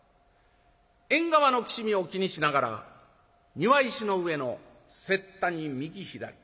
縁側のきしみを気にしながら庭石の上の雪駄に右左さし込んだ